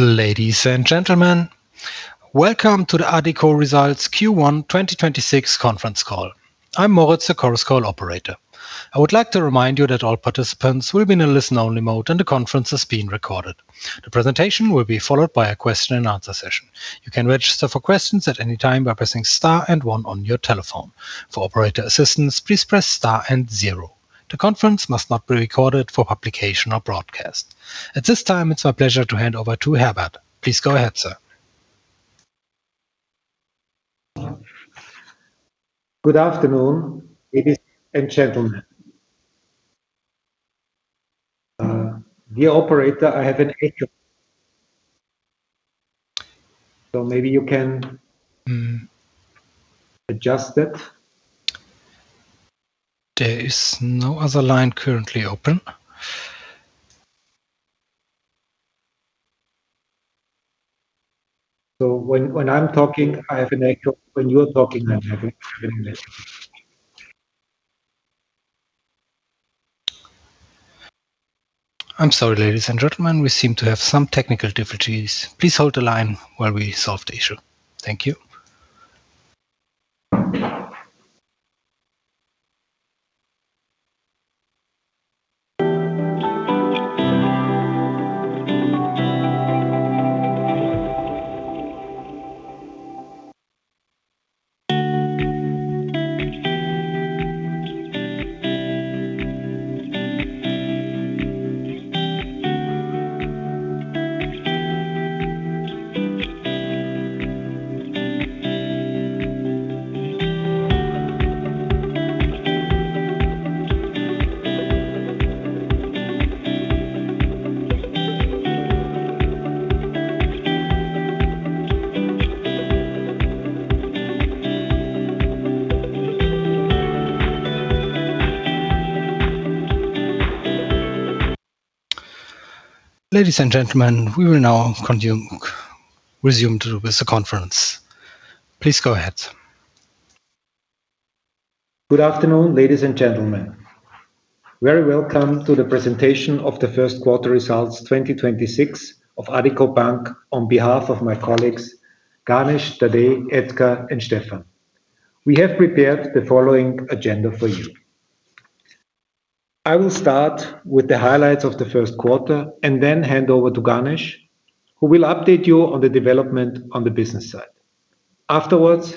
Ladies and gentlemen, welcome to the Addiko Results Q1 2026 conference call. I'm Moritz, the Chorus Call operator. I would like to remind you that all participants will be in a listen-only mode, and the conference is being recorded. The presentation will be followed by a question and answer session. You can register for questions at any time by pressing star one on your telephone. For operator assistance, please press star zero. The conference must not be recorded for publication or broadcast. At this time, it's my pleasure to hand over to Herbert. Please go ahead, sir. Good afternoon, ladies and gentlemen. Dear operator, I have an echo. Maybe you can. adjust it. There is no other line currently open. When I'm talking, I have an echo. When you're talking, I'm having less. I'm sorry, ladies and gentlemen. We seem to have some technical difficulties. Please hold the line while we solve the issue. Thank you. Ladies and gentlemen, we will now resume with the conference. Please go ahead. Good afternoon, ladies and gentlemen. Very welcome to the presentation of the first quarter results 2026 of Addiko Bank on behalf of my colleagues, Ganesh, Tadej, Edgar, and Stefan. We have prepared the following agenda for you. I will start with the highlights of the first quarter. Then hand over to Ganesh, who will update you on the development on the business side. Afterwards,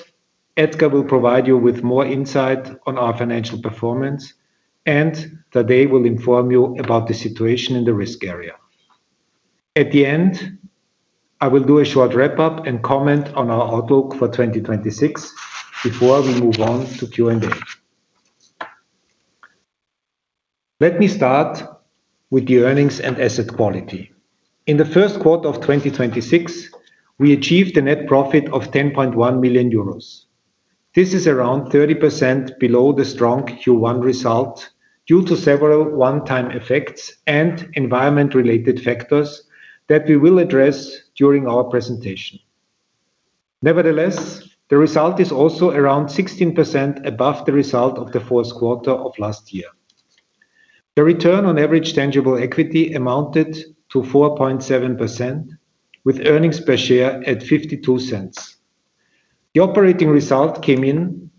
Edgar will provide you with more insight on our financial performance. Tadej will inform you about the situation in the risk area. At the end, I will do a short wrap-up and comment on our outlook for 2026 before we move on to Q&A. Let me start with the earnings and asset quality. In the first quarter of 2026, we achieved a net profit of 10.1 million euros. This is around 30% below the strong Q1 result due to several one-time effects and environment-related factors that we will address during our presentation. Nevertheless, the result is also around 16% above the result of the fourth quarter of last year. The return on average tangible equity amounted to 4.7% with earnings per share at 0.52. The operating result came in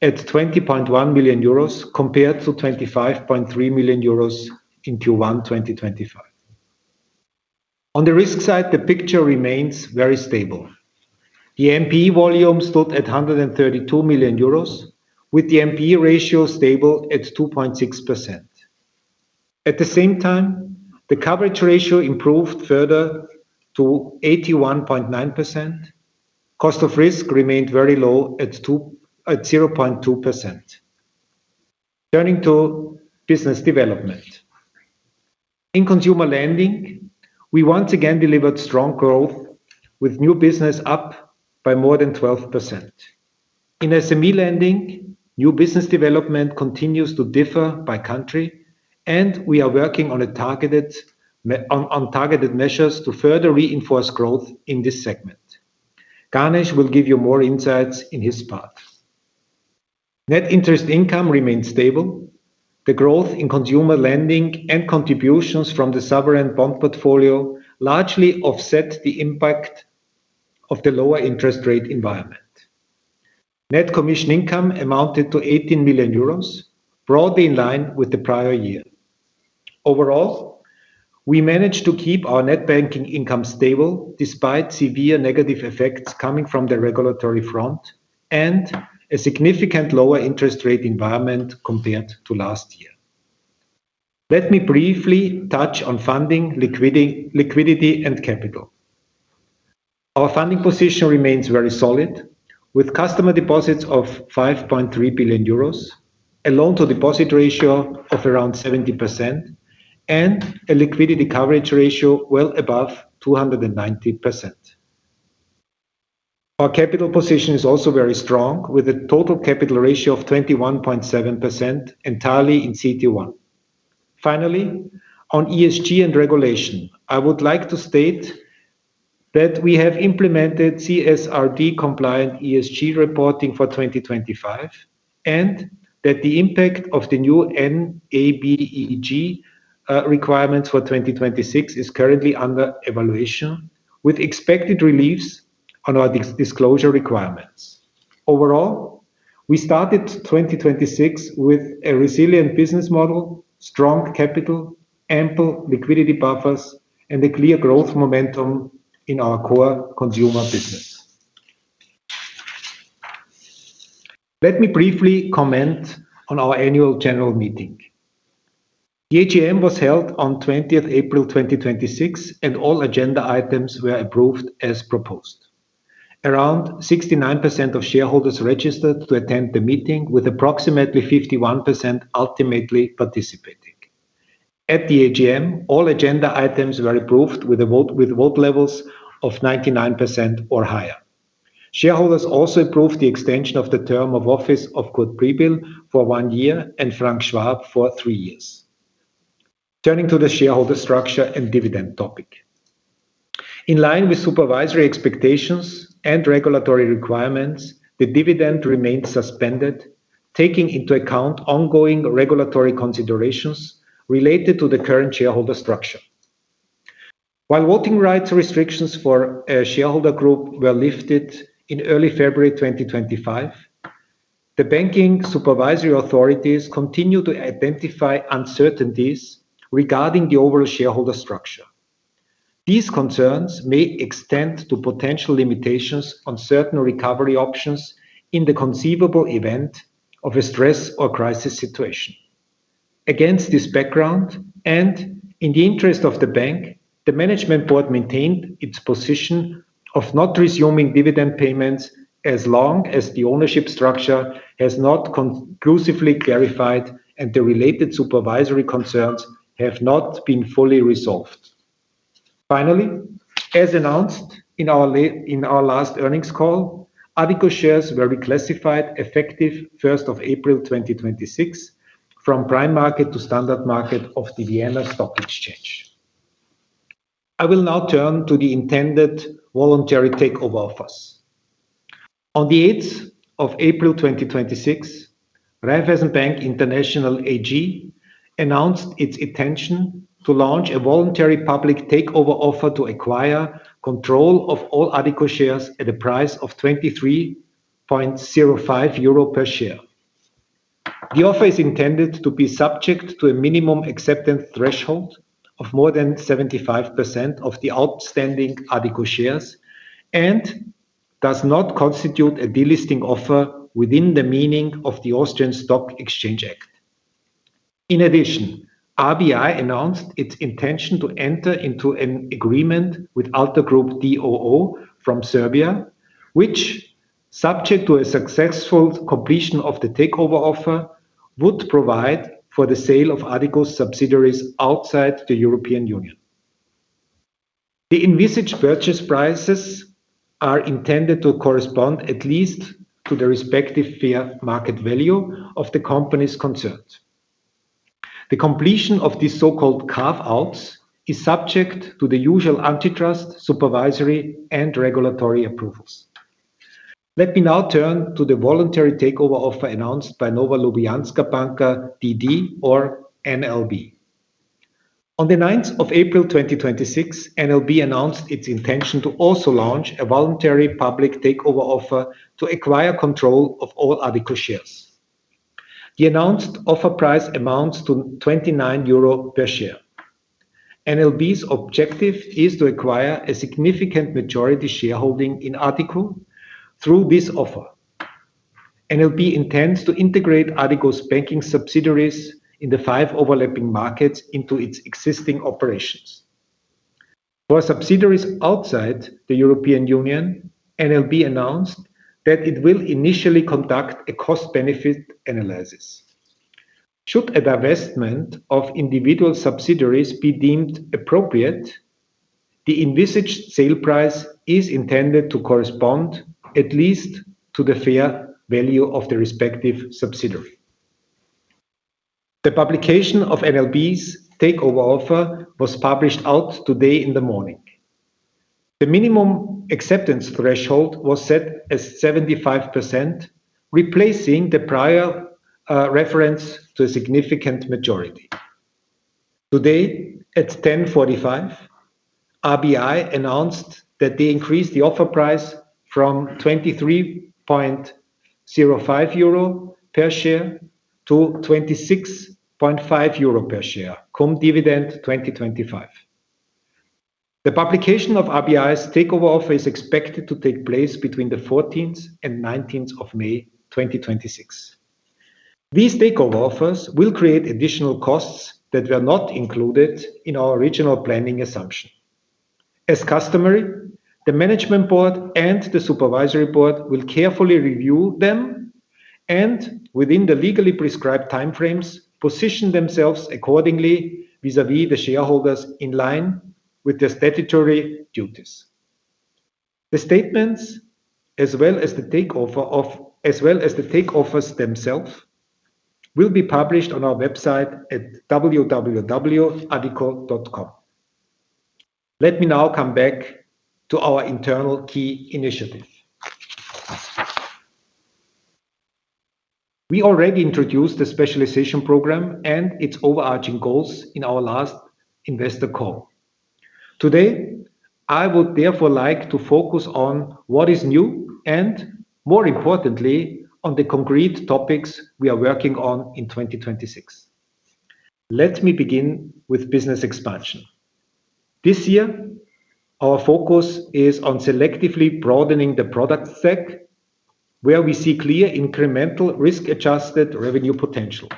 at 20.1 million euros compared to 25.3 million euros in Q1 2025. On the risk side, the picture remains very stable. The NPE volume stood at 132 million euros, with the NPE ratio stable at 2.6%. At the same time, the coverage ratio improved further to 81.9%. Cost of risk remained very low at 0.2%. Turning to business development. In consumer lending, we once again delivered strong growth with new business up by more than 12%. In SME lending, new business development continues to differ by country, and we are working on targeted measures to further reinforce growth in this segment. Ganesh will give you more insights in his part. Net interest income remains stable. The growth in consumer lending and contributions from the sovereign bond portfolio largely offset the impact of the lower interest rate environment. Net commission income amounted to 18 million euros, broadly in line with the prior year. Overall, we managed to keep our net banking income stable despite severe negative effects coming from the regulatory front and a significant lower interest rate environment compared to last year. Let me briefly touch on funding, liquidity, and capital. Our funding position remains very solid, with customer deposits of 5.3 billion euros, a loan-to-deposit ratio of around 70%, and a liquidity coverage ratio well above 290%. Our capital position is also very strong, with a total capital ratio of 21.7% entirely in CET1. Finally, on ESG and regulation, I would like to state that we have implemented CSRD compliant ESG reporting for 2025. That the impact of the new NaBeG requirements for 2026 is currently under evaluation, with expected reliefs on our disclosure requirements. Overall, we started 2026 with a resilient business model, strong capital, ample liquidity buffers, and a clear growth momentum in our core consumer business. Let me briefly comment on our annual general meeting. The AGM was held on April 20th, 2026, and all agenda items were approved as proposed. Around 69% of shareholders registered to attend the meeting, with approximately 51% ultimately participating. At the AGM, all agenda items were approved with a vote, with vote levels of 99% or higher. Shareholders also approved the extension of the term of office of Kurt Pribil for one year and Frank Schwab for three years. Turning to the shareholder structure and dividend topic. In line with supervisory expectations and regulatory requirements, the dividend remains suspended, taking into account ongoing regulatory considerations related to the current shareholder structure. While voting rights restrictions for a shareholder group were lifted in early February 2025, the banking supervisory authorities continue to identify uncertainties regarding the overall shareholder structure. These concerns may extend to potential limitations on certain recovery options in the conceivable event of a stress or crisis situation. Against this background in the interest of the bank the management board maintained its position of not resuming dividend payments as long as the ownership structure has not conclusively clarified and the related supervisory concerns have not been fully resolved. Finally, as announced in our last earnings call, Addiko shares were reclassified effective 1st of April 2026 from prime market to standard market of the Vienna Stock Exchange. I will now turn to the intended voluntary takeover offers. On the April 8th, 2026, Raiffeisen Bank International AG announced its intention to launch a voluntary public takeover offer to acquire control of all Addiko shares at a price of 23.05 euro per share. The offer is intended to be subject to a minimum acceptance threshold of more than 75% of the outstanding Addiko shares and does not constitute a delisting offer within the meaning of the Austrian Stock Exchange Act. In addition, RBI announced its intention to enter into an agreement with Alta Pay Group DOO from Serbia, which, subject to a successful completion of the takeover offer, would provide for the sale of Addiko subsidiaries outside the European Union. The envisaged purchase prices are intended to correspond at least to the respective fair market value of the companies concerned. The completion of these so called carve-outs is subject to the usual antitrust, supervisory, and regulatory approvals. Let me now turn to the voluntary takeover offer announced by Nova Ljubljanska Banka d.d., or NLB. On the 9th of April, 2026, NLB announced its intention to also launch a voluntary public takeover offer to acquire control of all Addiko shares. The announced offer price amounts to 29 euro per share. NLB's objective is to acquire a significant majority shareholding in Addiko through this offer. NLB intends to integrate Addiko's banking subsidiaries in the five overlapping markets into its existing operations. For subsidiaries outside the European Union, NLB announced that it will initially conduct a cost-benefit analysis. Should a divestment of individual subsidiaries be deemed appropriate, the envisaged sale price is intended to correspond at least to the fair value of the respective subsidiary. The publication of NLB's takeover offer was published out today in the morning. The minimum acceptance threshold was set as 75%, replacing the prior reference to a significant majority. Today, at 10:45 A.M. RBI announced that they increased the offer price from 23.05 euro per share to 26.5 euro per share, cum dividend 2025. The publication of RBI's takeover offer is expected to take place between the 14th and 19th of May 2026. These takeover offers will create additional costs that were not included in our original planning assumption. As customary, the Management Board and the Supervisory Board will carefully review them, and within the legally prescribed time frames, position themselves accordingly vis-à-vis the shareholders in line with their statutory duties. The statements, as well as the takeovers themselves, will be published on our website at www.addiko.com. Let me now come back to our internal key initiative. We already introduced the Specialization Program and its overarching goals in our last investor call. Today, I would therefore like to focus on what is new and more importantly on the concrete topics we are working on in 2026. Let me begin with business expansion. This year, our focus is on selectively broadening the product set where we see clear incremental risk-adjusted revenue potential.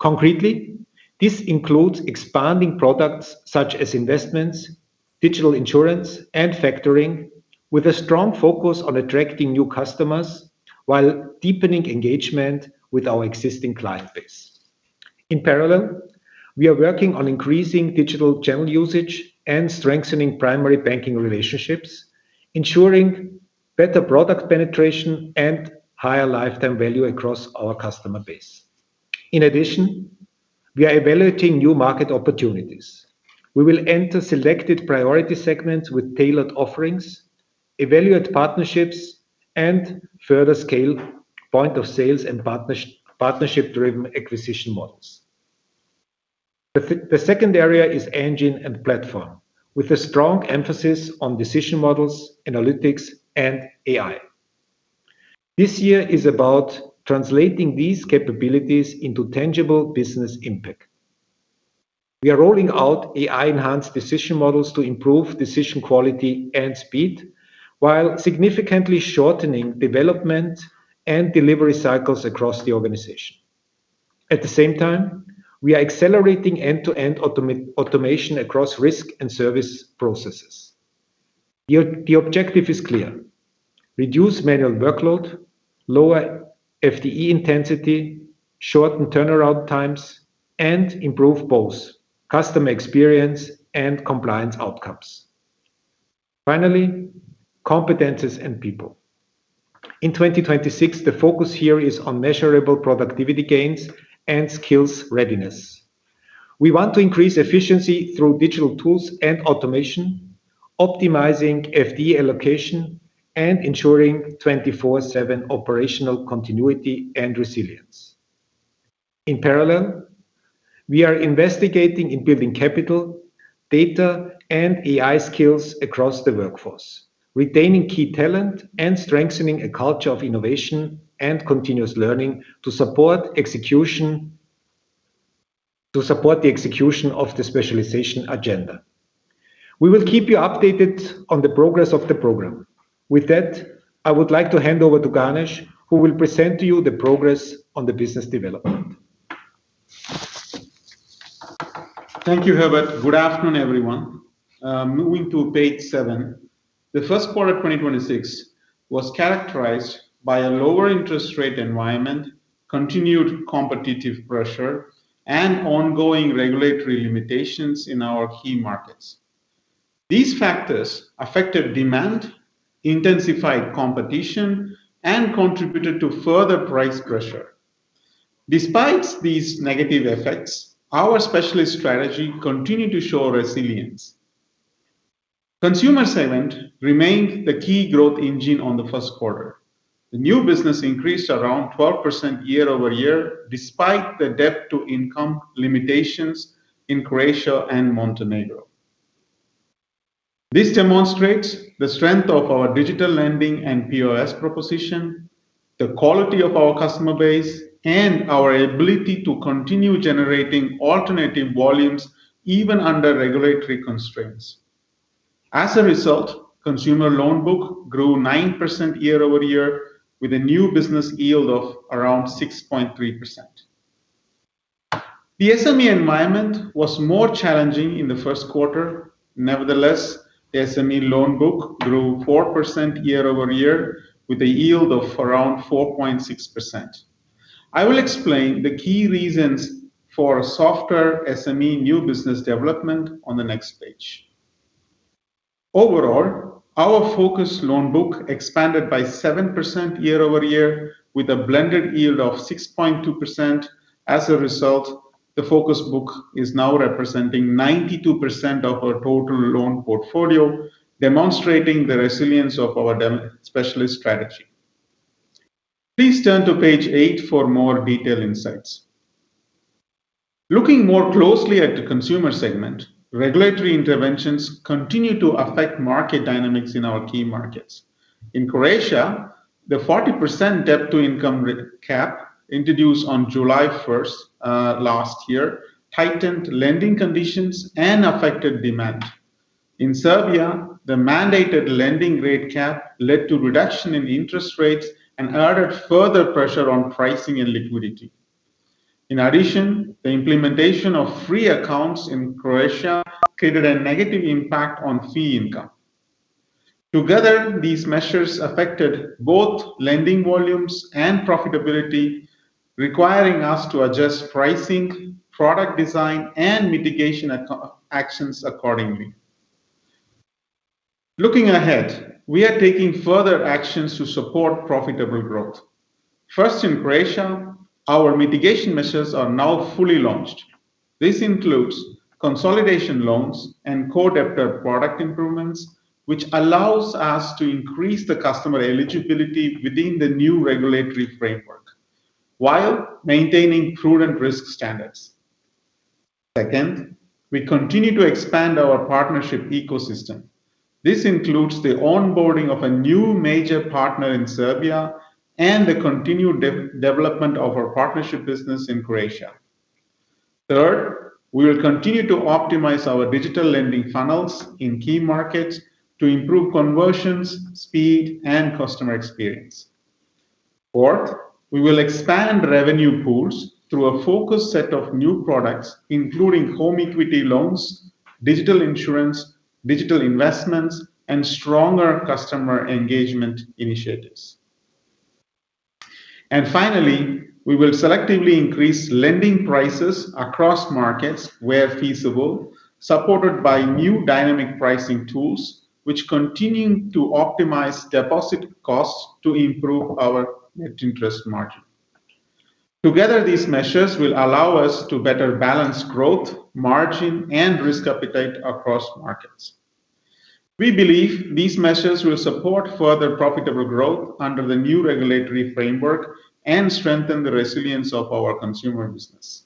Concretely, this includes expanding products such as investments, digital insurance, and factoring with a strong focus on attracting new customers while deepening engagement with our existing client base. In parallel, we are working on increasing digital channel usage and strengthening primary banking relationships, ensuring better product penetration and higher lifetime value across our customer base. In addition, we are evaluating new market opportunities. We will enter selected priority segments with tailored offerings, evaluate partnerships, and further scale point of sales and partnership-driven acquisition models. The second area is engine and platform, with a strong emphasis on decision models, analytics, and AI. This year is about translating these capabilities into tangible business impact. We are rolling out AI-enhanced decision models to improve decision quality and speed while significantly shortening development and delivery cycles across the organization. At the same time, we are accelerating end-to-end automation across risk and service processes. The objective is clear. Reduce manual workload, lower FTE intensity, shorten turnaround times, and improve both customer experience and compliance outcomes. Finally, competencies and people. In 2026, the focus here is on measurable productivity gains and skills readiness. We want to increase efficiency through digital tools and automation, optimizing FTE allocation, and ensuring 24/7 operational continuity and resilience. In parallel, we are investigating in building capital, data, and AI skills across the workforce, retaining key talent and strengthening a culture of innovation and continuous learning to support the execution of the specialization agenda. We will keep you updated on the progress of the program. With that, I would like to hand over to Ganesh, who will present to you the progress on the business development. Thank you, Herbert. Good afternoon, everyone. Moving to page seven. The first quarter of 2026 was characterized by a lower interest rate environment, continued competitive pressure, and ongoing regulatory limitations in our key markets. These factors affected demand, intensified competition, and contributed to further price pressure. Despite these negative effects, our specialist strategy continued to show resilience. Consumer segment remained the key growth engine on the first quarter. The new business increased around 12% year-over-year, despite the debt-to-income limitations in Croatia and Montenegro. This demonstrates the strength of our digital lending and POS proposition, the quality of our customer base, and our ability to continue generating alternative volumes even under regulatory constraints. As a result, consumer loan book grew 9% year-over-year with a new business yield of around 6.3%. The SME environment was more challenging in the first quarter. Nevertheless, the SME loan book grew 4% year-over-year with a yield of around 4.6%. I will explain the key reasons for softer SME new business development on the next page. Overall, our focused loan book expanded by 7% year-over-year with a blended yield of 6.2%. The focused book is now representing 92% of our total loan portfolio, demonstrating the resilience of our specialist strategy. Please turn to page eight for more detailed insights. Looking more closely at the consumer segment, regulatory interventions continue to affect market dynamics in our key markets. In Croatia, the 40% debt-to-income rate cap introduced on July 1st last year tightened lending conditions and affected demand. In Serbia, the mandated lending rate cap led to reduction in interest rates and added further pressure on pricing and liquidity. In addition, the implementation of free accounts in Croatia created a negative impact on fee income. Together, these measures affected both lending volumes and profitability, requiring us to adjust pricing, product design, and mitigation actions accordingly. Looking ahead, we are taking further actions to support profitable growth. First, in Croatia, our mitigation measures are now fully launched. This includes consolidation loans and co-debtor product improvements, which allows us to increase the customer eligibility within the new regulatory framework while maintaining prudent risk standards. Second, we continue to expand our partnership ecosystem. This includes the onboarding of a new major partner in Serbia and the continued development of our partnership business in Croatia. Third, we will continue to optimize our digital lending funnels in key markets to improve conversions, speed, and customer experience. We will expand revenue pools through a focused set of new products, including home equity loans, digital insurance, digital investments, and stronger customer engagement initiatives. Finally, we will selectively increase lending prices across markets where feasible, supported by new dynamic pricing tools which continue to optimize deposit costs to improve our net interest margin. Together, these measures will allow us to better balance growth, margin, and risk appetite across markets. We believe these measures will support further profitable growth under the new regulatory framework and strengthen the resilience of our consumer business.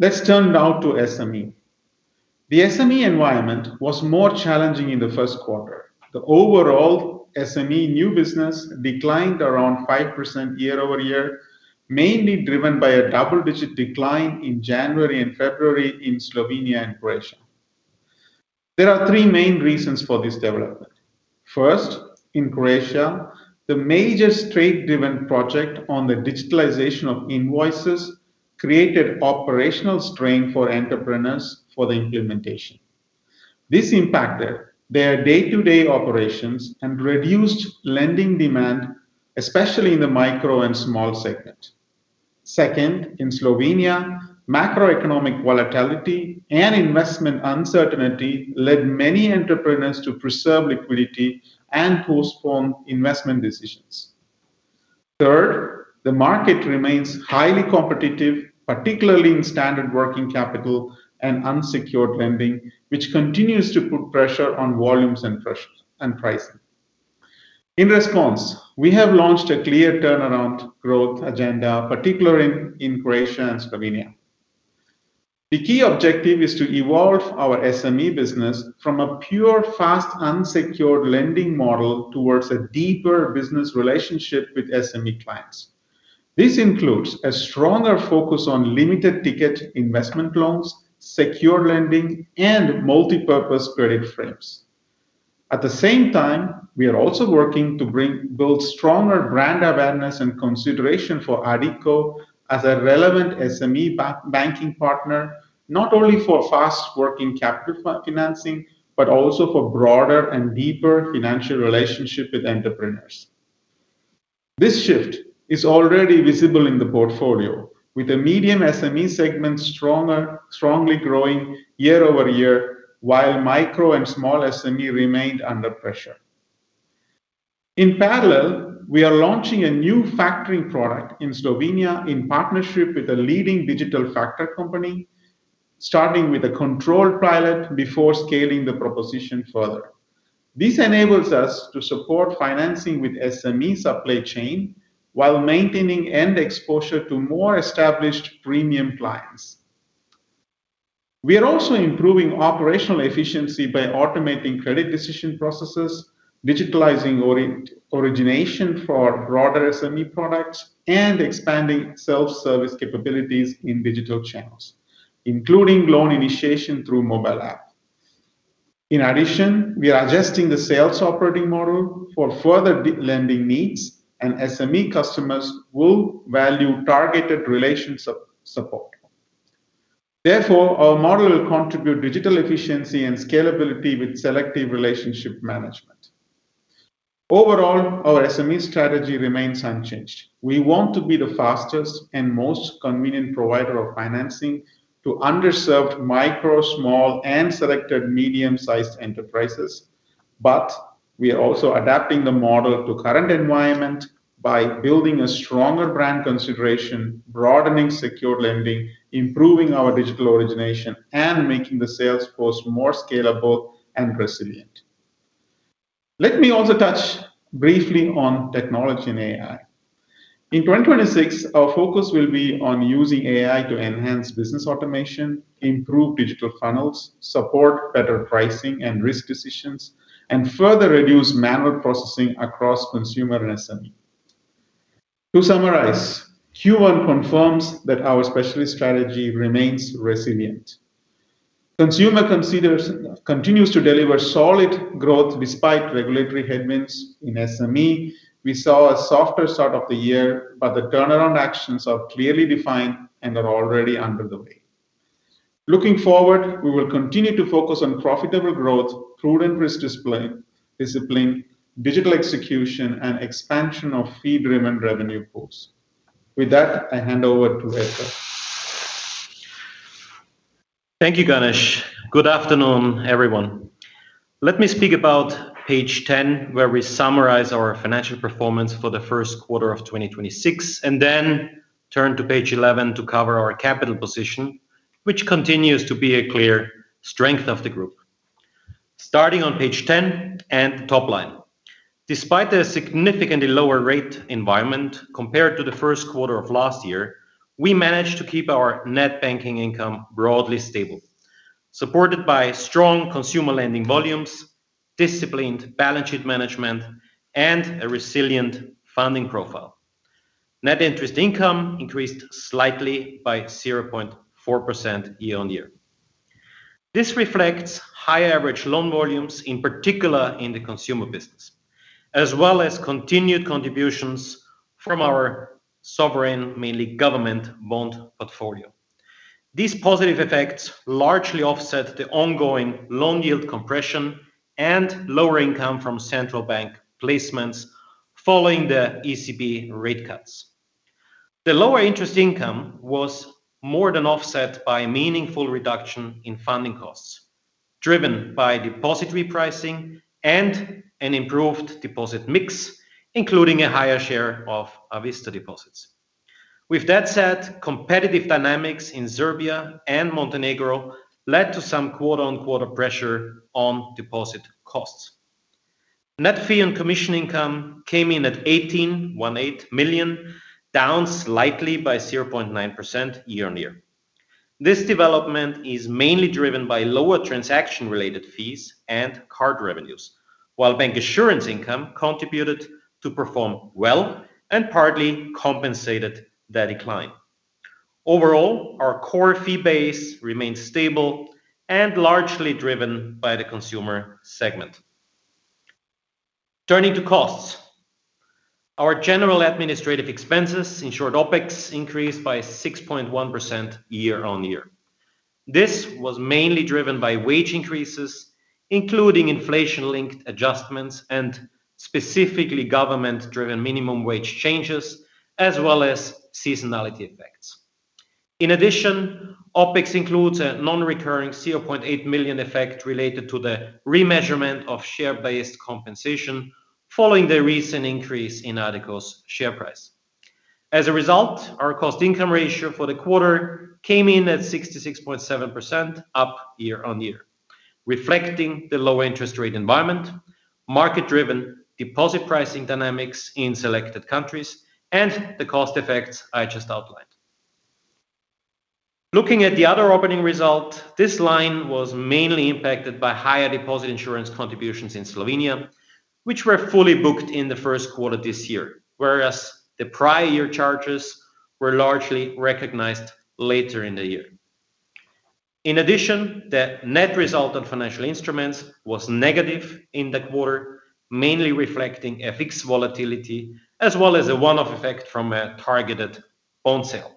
Let's turn now to SME. The SME environment was more challenging in the first quarter. The overall SME new business declined around 5% year-over-year, mainly driven by a double-digit decline in January and February in Slovenia and Croatia. There are three main reasons for this development. First, in Croatia, the major state-driven project on the digitalization of invoices created operational strain for entrepreneurs for the implementation. This impacted their day-to-day operations and reduced lending demand, especially in the micro and small segment. Second, in Slovenia, macroeconomic volatility and investment uncertainty led many entrepreneurs to preserve liquidity and postpone investment decisions. Third, the market remains highly competitive, particularly in standard working capital and unsecured lending, which continues to put pressure on volumes and pricing. In response, we have launched a clear turnaround growth agenda, particularly in Croatia and Slovenia. The key objective is to evolve our SME business from a pure, fast, unsecured lending model towards a deeper business relationship with SME clients. This includes a stronger focus on limited-ticket investment loans, secure lending, and multipurpose credit frames. At the same time, we are also working to build stronger brand awareness and consideration for Addiko as a relevant SME banking partner, not only for fast working capital financing, but also for broader and deeper financial relationship with entrepreneurs. This shift is already visible in the portfolio, with the medium SME segment strongly growing year-over-year, while micro and small SME remained under pressure. Parallel, we are launching a new factoring product in Slovenia in partnership with a leading digital factor company, starting with a controlled pilot before scaling the proposition further. This enables us to support financing with SME supply chain while maintaining end exposure to more established premium clients. We are also improving operational efficiency by automating credit decision processes, digitalizing origination for broader SME products, and expanding self-service capabilities in digital channels, including loan initiation through mobile app. In addition, we are adjusting the sales operating model for further lending needs. SME customers will value targeted relationship support. Our model will contribute digital efficiency and scalability with selective relationship management. Our SME strategy remains unchanged. We want to be the fastest and most convenient provider of financing to underserved micro, small, and selected medium-sized enterprises. We are also adapting the model to current environment by building a stronger brand consideration, broadening secure lending, improving our digital origination, and making the sales force more scalable and resilient. Let me also touch briefly on technology and AI. In 2026, our focus will be on using AI to enhance business automation, improve digital funnels, support better pricing and risk decisions, and further reduce manual processing across consumer and SME. Q1 confirms that our specialist strategy remains resilient. Consumer continues to deliver solid growth despite regulatory headwinds. In SME, we saw a softer start of the year. The turnaround actions are clearly defined and are already underway. Looking forward, we will continue to focus on profitable growth, prudent risk discipline, digital execution, and expansion of fee-driven revenue pools. With that, I hand over to Edgar. Thank you, Ganesh. Good afternoon, everyone. Let me speak about page 10, where we summarize our financial performance for the first quarter of 2026, and then turn to page 11 to cover our capital position, which continues to be a clear strength of the group. Starting on page 10 and the top line. Despite a significantly lower rate environment compared to the first quarter of last year, we managed to keep our net banking income broadly stable, supported by strong consumer lending volumes, disciplined balance sheet management, and a resilient funding profile. Net interest income increased slightly by 0.4% year-on-year. This reflects high average loan volumes, in particular in the consumer business, as well as continued contributions from our sovereign, mainly government bond portfolio. These positive effects largely offset the ongoing loan yield compression and lower income from central bank placements following the ECB rate cuts. The lower interest income was more than offset by a meaningful reduction in funding costs, driven by deposit repricing and an improved deposit mix, including a higher share of a vista deposits. With that said, competitive dynamics in Serbia and Montenegro led to some quarter-on-quarter pressure on deposit costs. Net fee and commission income Came in at 18.18 million, down slightly by 0.9% year-on-year. This development is mainly driven by lower transaction-related fees and card revenues, while bancassurance income contributed to perform well and partly compensated the decline. Overall, our core fee base remains stable and largely driven by the consumer segment. Turning to costs. Our general administrative expenses, in short, OpEx, increased by 6.1% year-on-year. This was mainly driven by wage increases, including inflation-linked adjustments and specifically government-driven minimum wage changes, as well as seasonality effects. In addition, OpEx includes a non-recurring 0.8 million effect related to the remeasurement of share-based compensation following the recent increase in Addiko's share price. As a result, our cost income ratio for the quarter came in at 66.7% up year-on-year, reflecting the low interest rate environment, market-driven deposit pricing dynamics in selected countries, and the cost effects I just outlined. Looking at the other operating result, this line was mainly impacted by higher deposit insurance contributions in Slovenia, which were fully booked in the first quarter this year, whereas the prior year charges were largely recognized later in the year. In addition, the net result on financial instruments was negative in the quarter, mainly reflecting FX volatility, as well as a one-off effect from a targeted bond sale.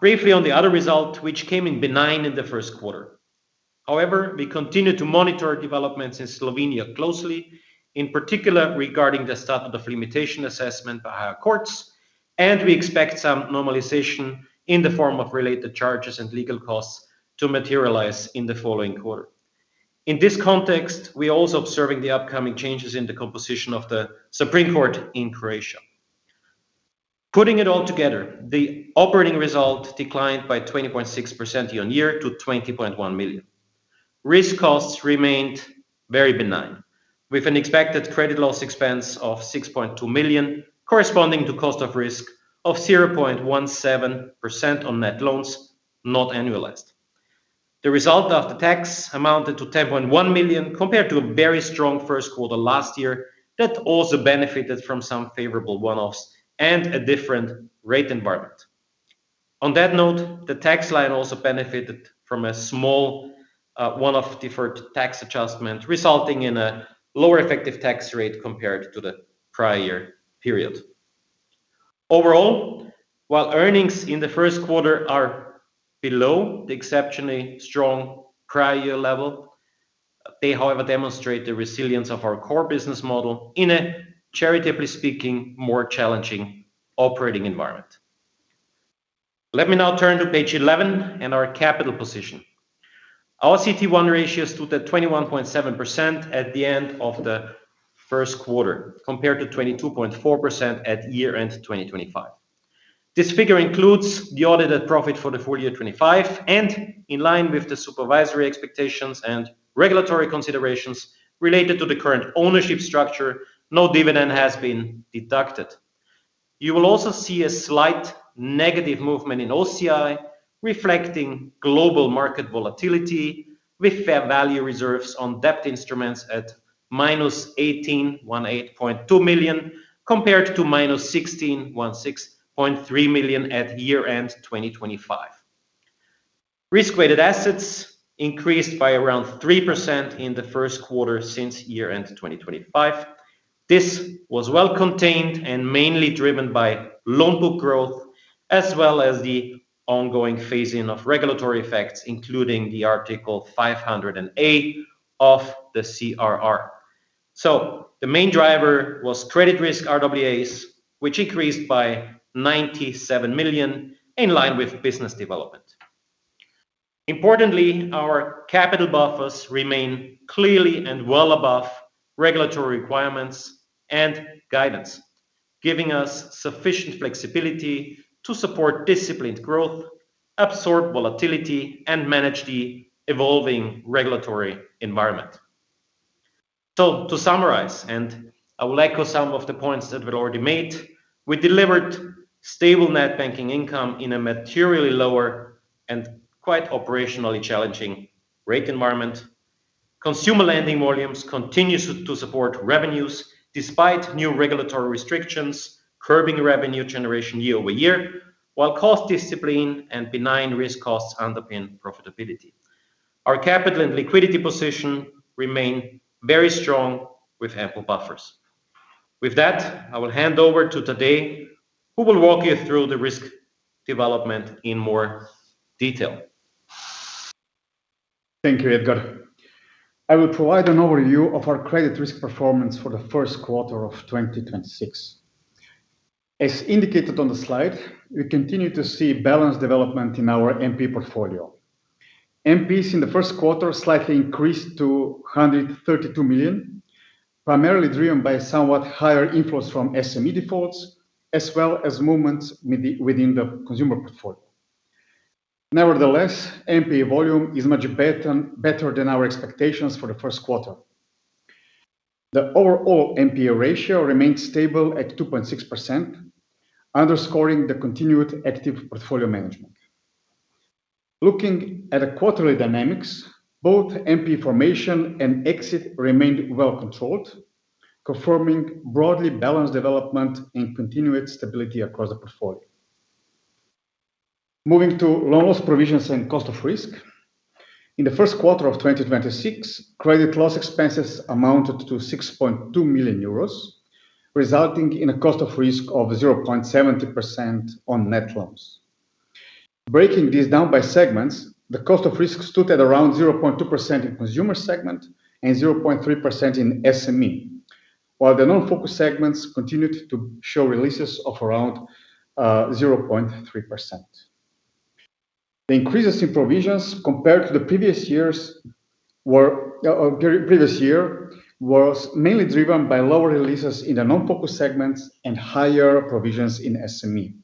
Briefly on the other result, which came in benign in the first quarter. We continue to monitor developments in Slovenia closely, in particular regarding the statute of limitation assessment by higher courts, and we expect some normalization in the form of related charges and legal costs to materialize in the following quarter. In this context, we're also observing the upcoming changes in the composition of the Supreme Court in Croatia. Putting it all together, the operating result declined by 20.6% year-on-year to 20.1 million. Risk costs remained very benign, with an expected credit loss expense of 6.2 million, corresponding to cost of risk of 0.17% on net loans not annualized. The result after tax amounted to 10.1 million, compared to a very strong first quarter last year that also benefited from some favorable one-offs and a different rate environment. On that note, the tax line also benefited from a small one-off deferred tax adjustment, resulting in a lower effective tax rate compared to the prior period. Overall, while earnings in the first quarter are below the exceptionally strong prior year level, they, however, demonstrate the resilience of our core business model in a, charitably speaking, more challenging operating environment. Let me now turn to page 11 and our capital position. Our CET1 ratios stood at 21.7% at the end of the first quarter, compared to 22.4% at year-end 2025. This figure includes the audited profit for the full year 2025. In line with the supervisory expectations and regulatory considerations related to the current ownership structure, no dividend has been deducted. You will also see a slight negative movement in OCI, reflecting global market volatility with fair value reserves on debt instruments at -18.2 million, compared to -16.3 million at year-end 2025. Risk-weighted assets increased by around 3% in the first quarter since year-end 2025. This was well contained and mainly driven by loan book growth as well as the ongoing phasing of regulatory effects, including the Article 500a of the CRR. The main driver was credit risk RWAs, which increased by 97 million, in line with business development. Importantly, our capital buffers remain clearly and well above regulatory requirements and guidance, giving us sufficient flexibility to support disciplined growth, absorb volatility, and manage the evolving regulatory environment. To summarize, and I will echo some of the points that were already made, we delivered stable net banking income in a materially lower and quite operationally challenging rate environment. Consumer lending volumes continues to support revenues despite new regulatory restrictions, curbing revenue generation year-over-year, while cost discipline and benign risk costs underpin profitability. Our capital and liquidity position remain very strong with ample buffers. With that, I will hand over to Tadej, who will walk you through the risk development in more detail. Thank you, Edgar. I will provide an overview of our credit risk performance for the first quarter of 2026. As indicated on the slide, we continue to see balanced development in our NPE portfolio. NPEs in the first quarter slightly increased to 132 million, primarily driven by somewhat higher inflows from SME defaults, as well as movements within the consumer portfolio. Nevertheless, NPE volume is much better than our expectations for the first quarter. The overall NPE ratio remained stable at 2.6%, underscoring the continued active portfolio management. Looking at the quarterly dynamics, both NPE formation and exit remained well controlled, confirming broadly balanced development and continued stability across the portfolio. Moving to loan loss provisions and cost of risk. In the first quarter of 2026, credit loss expenses amounted to 6.2 million euros, resulting in a cost of risk of 0.70% on net loans. Breaking this down by segments, the cost of risk stood at around 0.2% in consumer segment and 0.3% in SME, while the non-focus segments continued to show releases of around 0.3%. The increases in provisions compared to the pre-previous year was mainly driven by lower releases in the non-focus segments and higher provisions in SME.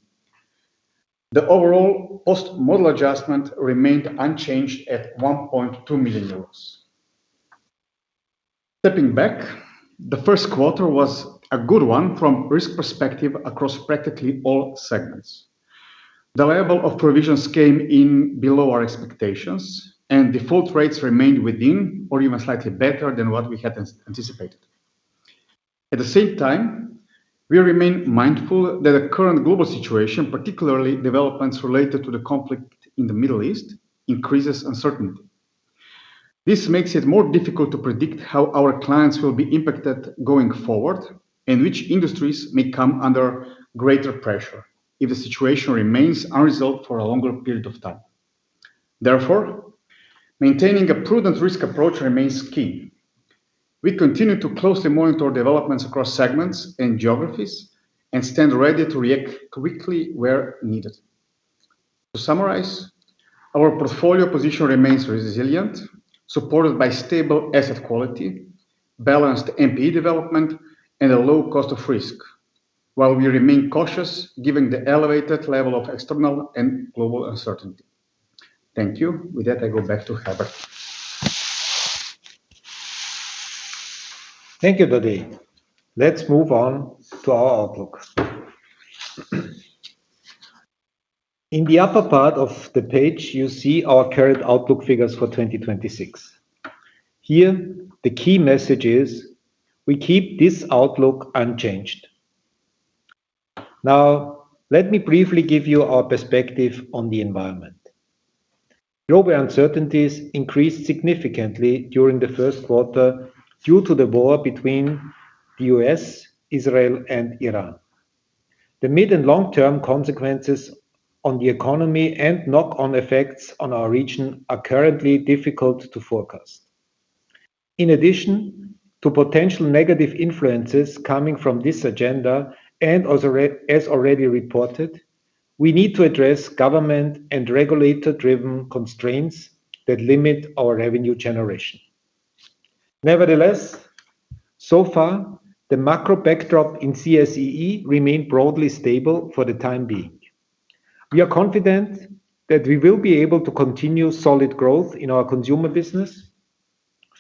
The overall post-model adjustment remained unchanged at 1.2 million euros. Stepping back, the first quarter was a good one from risk perspective across practically all segments. The level of provisions came in below our expectations. Default rates remained within or even slightly better than what we had anticipated. At the same time, we remain mindful that the current global situation, particularly developments related to the conflict in the Middle East, increases uncertainty. This makes it more difficult to predict how our clients will be impacted going forward and which industries may come under greater pressure if the situation remains unresolved for a longer period of time. Therefore, maintaining a prudent risk approach remains key. We continue to closely monitor developments across segments and geographies and stand ready to react quickly where needed. To summarize, our portfolio position remains resilient, supported by stable asset quality, balanced NPE development, and a low cost of risk, while we remain cautious given the elevated level of external and global uncertainty. Thank you. With that, I go back to Herbert. Thank you, Tadej. Let's move on to our outlook. In the upper part of the page, you see our current outlook figures for 2026. Here the key message is we keep this outlook unchanged. Now, let me briefly give you our perspective on the environment. Global uncertainties increased significantly during the first quarter due to the war between the U.S., Israel, and Iran. The mid- and long-term consequences on the economy and knock-on effects on our region are currently difficult to forecast. In addition to potential negative influences coming from this agenda, as already reported, we need to address government and regulator-driven constraints that limit our revenue generation. Nevertheless, so far, the macro backdrop in CSEE remained broadly stable for the time being. We are confident that we will be able to continue solid growth in our consumer business.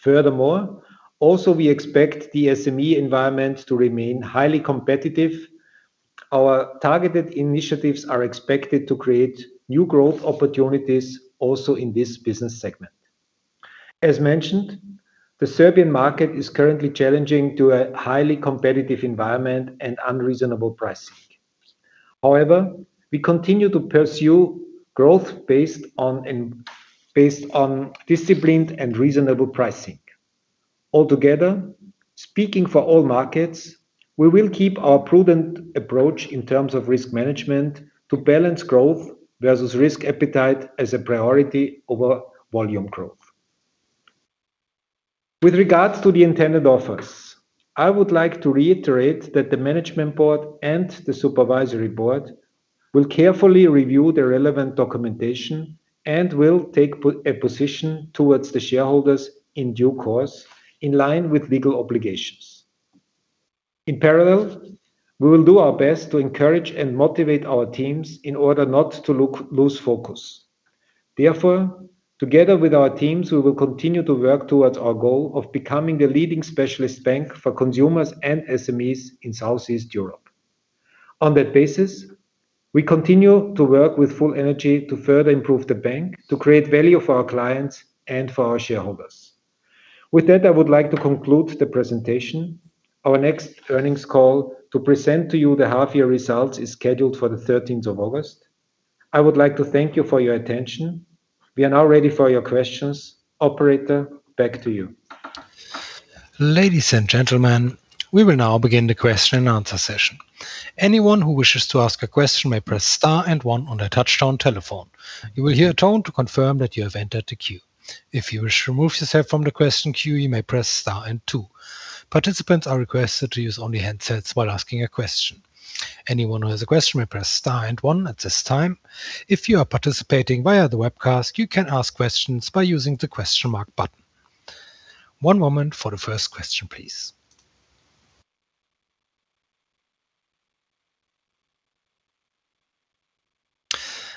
Furthermore, also we expect the SME environment to remain highly competitive. Our targeted initiatives are expected to create new growth opportunities also in this business segment. As mentioned, the Serbian market is currently challenging due to a highly competitive environment and unreasonable pricing. We continue to pursue growth based on disciplined and reasonable pricing. Altogether, speaking for all markets, we will keep our prudent approach in terms of risk management to balance growth versus risk appetite as a priority over volume growth. With regards to the intended offers, I would like to reiterate that the Management Board and the Supervisory Board will carefully review the relevant documentation and will take a position towards the shareholders in due course in line with legal obligations. In parallel, we will do our best to encourage and motivate our teams in order not to lose focus. Therefore, together with our teams, we will continue to work towards our goal of becoming the leading specialist bank for consumers and SMEs in Southeast Europe. On that basis, we continue to work with full energy to further improve the bank, to create value for our clients and for our shareholders. With that, I would like to conclude the presentation. Our next earnings call to present to you the half year results is scheduled for August 13th. I would like to thank you for your attention. We are now ready for your questions. Operator, back to you.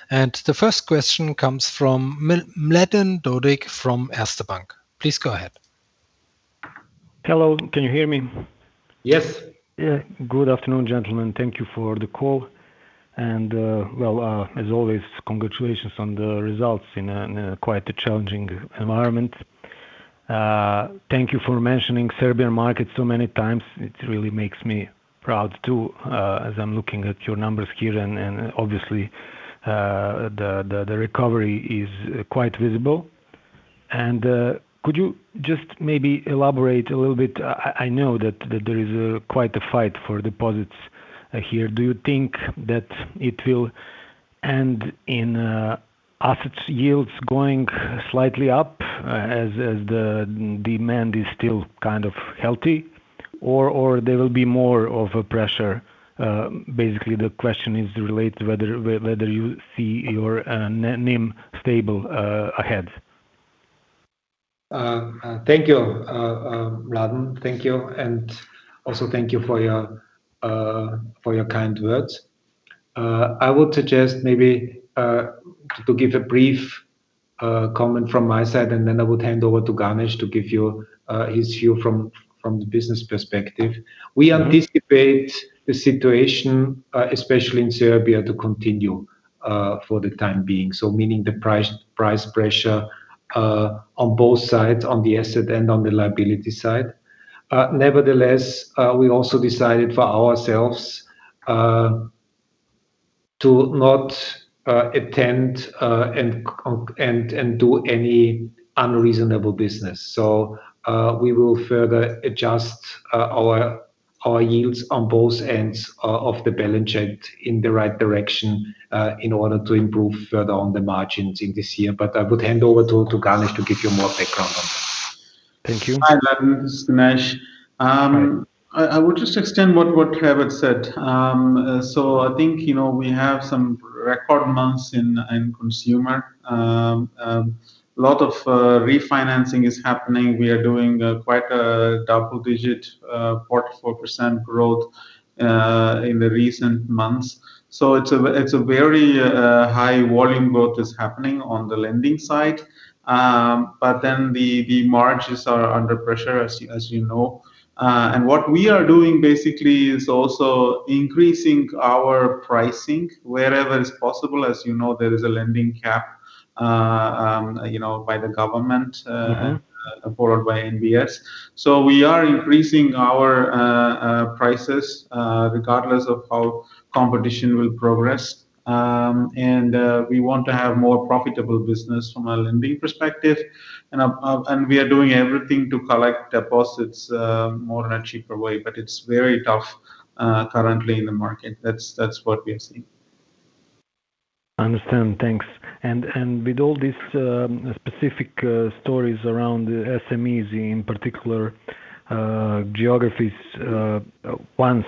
The first question comes from Mladen Dodig from Erste Bank. Please go ahead. Hello. Can you hear me? Yes. Yeah. Good afternoon, gentlemen. Thank you for the call. Well, as always, congratulations on the results in a quite a challenging environment. Thank you for mentioning Serbian market so many times. It really makes me proud too, as I'm looking at your numbers here and obviously, the recovery is quite visible. Could you just maybe elaborate a little bit? I know that there is quite a fight for deposits here. Do you think that it will end in assets yields going slightly up as the demand is still kind of healthy or there will be more of a pressure? Basically, the question is related whether you see your NIM stable ahead. Thank you, Mladen. Thank you. Also thank you for your kind words. I would suggest maybe to give a brief comment from my side, and then I would hand over to Ganesh to give you his view from the business perspective. We anticipate the situation, especially in Serbia, to continue for the time being, meaning the price pressure on both sides, on the asset and on the liability side. Nevertheless, we also decided for ourselves to not attend and do any unreasonable business. We will further adjust our yields on both ends of the balance sheet in the right direction in order to improve further on the margins in this year. I would hand over to Ganesh to give you more background on that. Thank you. Hi, Mladen. This is Ganesh. I would just extend what Herbert said. I think, you know, we have some record months in consumer. Lot of refinancing is happening. We are doing quite a double digit 44% growth in the recent months. It's a very high volume growth is happening on the lending side. The margins are under pressure, as you know. What we are doing basically is also increasing our pricing wherever is possible. As you know, there is a lending cap, you know, by the government followed by NBS. We are increasing our prices regardless of how competition will progress. We want to have more profitable business from a lending perspective. We are doing everything to collect deposits more in a cheaper way, but it's very tough currently in the market. That's what we are seeing. Understand. Thanks. With all these specific stories around the SMEs in particular geographies, once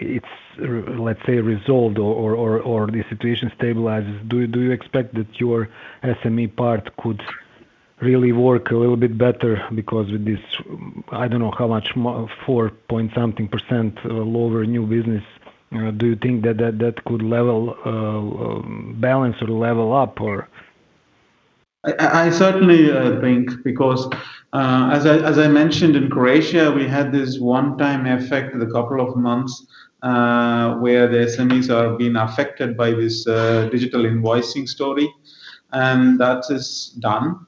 it's let's say, resolved or the situation stabilizes, do you expect that your SME part could really work a little bit better? Because with this, I don't know how much, four point something percent lower new business, do you think that that could level balance or level up or? I certainly think because as I mentioned in Croatia, we had this one time effect in a couple of months, where the SMEs are being affected by this digital invoicing story, and that is done.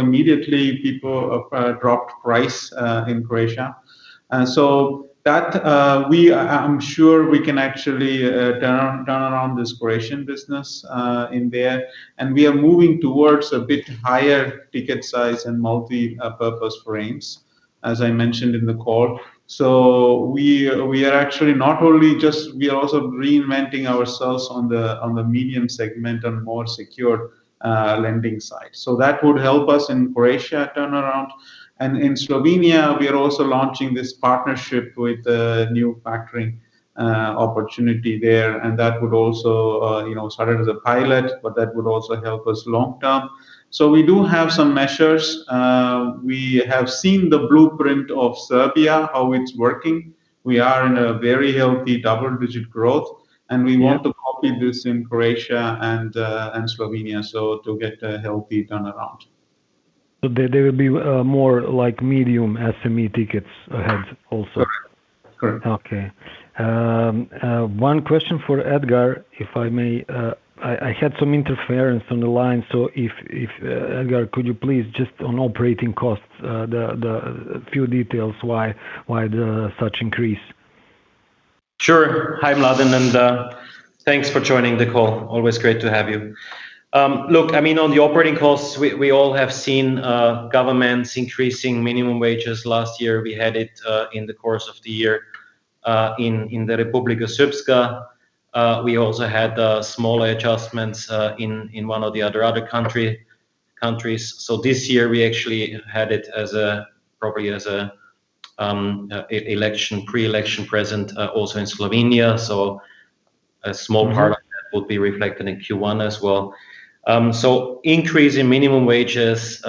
Immediately people have dropped price in Croatia. I'm sure we can actually turn around this Croatian business in there. We are moving towards a bit higher ticket size and multipurpose frames. As I mentioned in the call. We are actually not only just We are also reinventing ourselves on the medium segment and more secure lending side. That would help us in Croatia turnaround. In Slovenia, we are also launching this partnership with a new factoring opportunity there, and that would also, you know, started as a pilot, but that would also help us long term. We do have some measures. We have seen the blueprint of Serbia, how it's working. We are in a very healthy double-digit growth, and we want to copy this in Croatia and Slovenia, so to get a healthy turnaround. There will be more like medium SME tickets ahead also? Correct. Okay. One question for Edgar, if I may. I had some interference on the line, so if Edgar, could you please just on operating costs, a few details why the such increase? Sure. Hi, Mladen, thanks for joining the call. Always great to have you. Look, I mean, on the operating costs, we all have seen governments increasing minimum wages. Last year, we had it in the course of the year in the Republika Srpska. We also had smaller adjustments in one or the other countries. This year we actually had it probably as a election, pre-election present also in Slovenia. Of that will be reflected in Q1 as well. Increase in minimum wages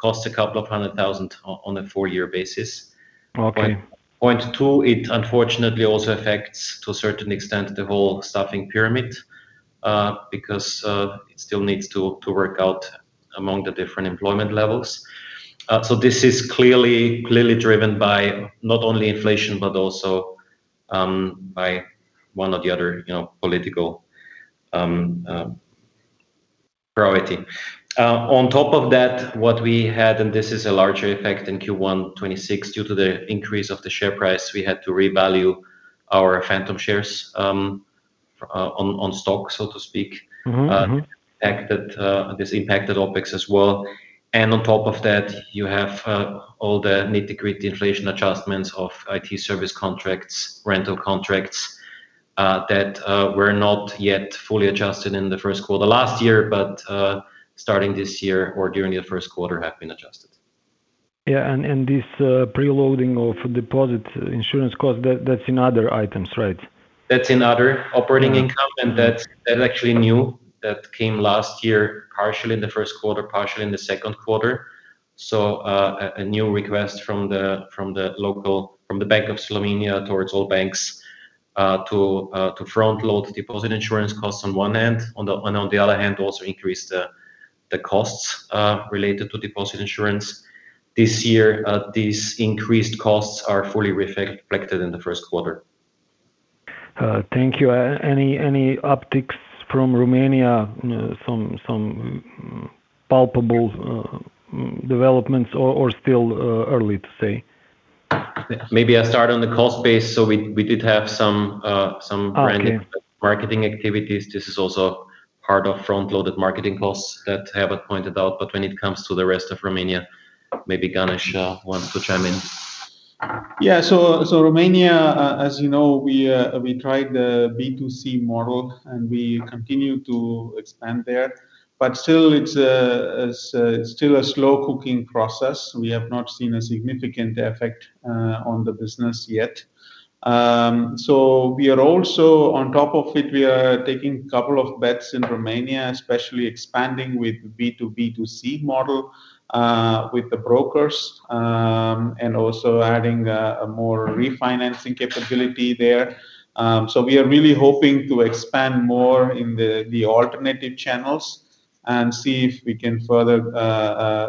cost couple of hundred thousand on a four-year basis. Okay. Point two, it unfortunately also affects, to a certain extent, the whole staffing pyramid, because it still needs to work out among the different employment levels. This is clearly driven by not only inflation, but also by one or the other, you know, political priority. On top of that, what we had, and this is a larger effect in Q1 2026, due to the increase of the share price, we had to revalue our phantom shares on stock, so to speak. Impact that, this impacted OpEx as well. On top of that, you have all the nitty-gritty inflation adjustments of IT service contracts, rental contracts, that were not yet fully adjusted in the first quarter last year, but starting this year or during the first quarter have been adjusted. Yeah. This preloading of deposit insurance cost, that's in other items, right? That's in other operating income. That's actually new. That came last year, partially in the first quarter, partially in the second quarter. A new request from the local Bank of Slovenia towards all banks to front load deposit insurance costs on one hand. On the other hand, also increase the costs related to deposit insurance. This year, these increased costs are fully reflected in the first quarter. Thank you. Any upticks from Romania? You know, some palpable developments or still early to say? Maybe I start on the cost base. We did have some. Okay marketing activities. This is also part of front-loaded marketing costs that Herbert pointed out. When it comes to the rest of Romania, maybe Ganesh wants to chime in. Romania, as you know, we tried the B2C model, and we continue to expand there. It's still a slow cooking process. We have not seen a significant effect on the business yet. We are also, on top of it, we are taking a couple of bets in Romania, especially expanding with B2B2C model with the brokers, and also adding a more refinancing capability there. We are really hoping to expand more in the alternative channels and see if we can further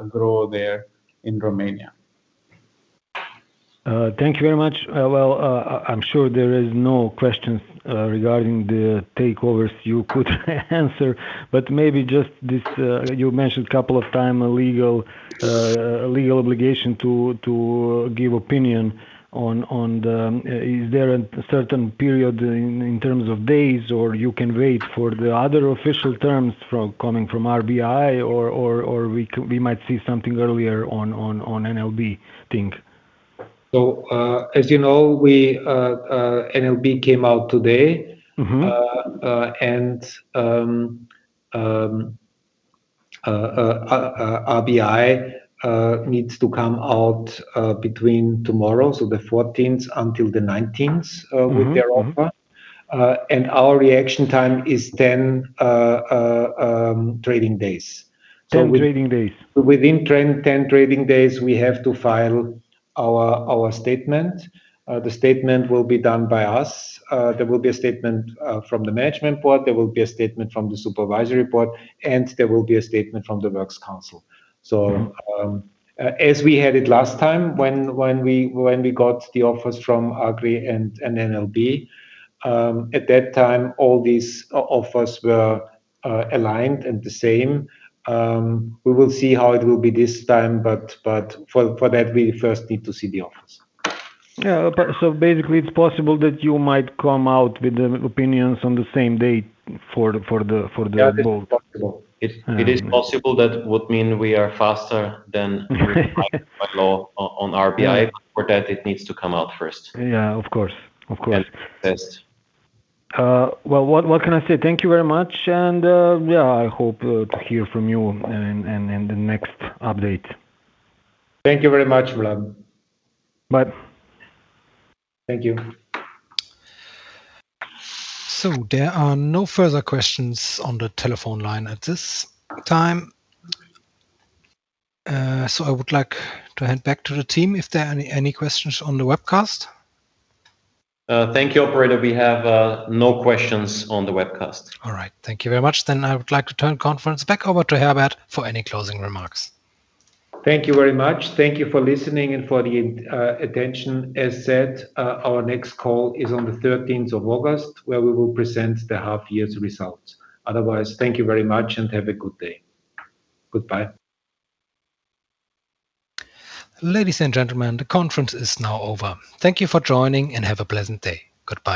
grow there in Romania. Thank you very much. Well, I'm sure there is no questions, regarding the takeovers you could answer, but maybe just this, you mentioned couple of time a legal a legal obligation to give opinion on the is there a certain period in terms of days, or you can wait for the other official terms from, coming from RBI or we could, we might see something earlier on NLB thing? As you know, we, NLB came out today. RBI needs to come out between tomorrow, so the 14th, until the 19th. With their offer. Our reaction time is 10 trading days. 10 trading days. Within 10 trading days, we have to file our statement. The statement will be done by us. There will be a statement from the management board, there will be a statement from the supervisory board, there will be a statement from the works council. As we had it last time when we got the offers from Agri and NLB, at that time, all these offers were aligned and the same. We will see how it will be this time, but for that, we first need to see the offers. Yeah. Basically it's possible that you might come out with the opinions on the same date for the both? Yeah, it is possible. It is possible. That would mean we are faster than law on RBI For that, it needs to come out first. Yeah. Of course. Of course. Yes. Well, what can I say? Thank you very much. Yeah, I hope to hear from you in the next update. Thank you very much, Mladen. Bye. Thank you. There are no further questions on the telephone line at this time. I would like to hand back to the team if there are any questions on the webcast. Thank you, Operator. We have no questions on the webcast. All right. Thank you very much. I would like to turn conference back over to Herbert for any closing remarks. Thank you very much. Thank you for listening and for the attention. As said, our next call is on the 13th of August, where we will present the half year's results. Otherwise, thank you very much and have a good day. Goodbye. Ladies and gentlemen, the conference is now over. Thank you for joining and have a pleasant day. Goodbye.